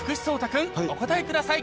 君お答えください